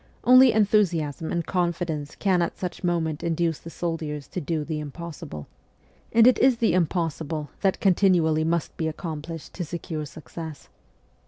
Only enthusiasm and confidence can at such moments induce the soldiers to do ' the impossible ' and it is the impossible that continually must be accomplished to secure success.